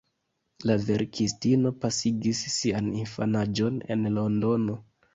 La verkistino pasigis sian infanaĝon en Londono.